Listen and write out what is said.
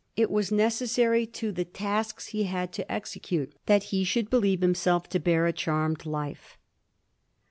It was necessary to the tasks he had to execute that he should believe himself to bear a charmed life.